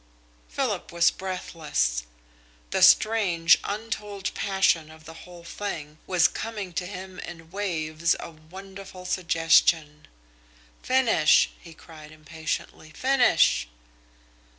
Philip was breathless. The strange, untold passion of the whole thing was coming to him in waves of wonderful suggestion. "Finish!" he cried impatiently. "Finish!"